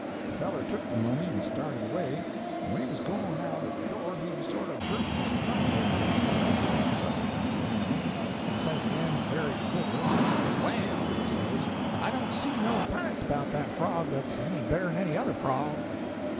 The feller took the money and started away; and when he was going out at the door he sorter jerked his thumb over his shoulder so at Dan'l, and says again, very deliberate: 'Well,' he says, 'I don't see no p'ints about that frog that's any better'n any other frog.'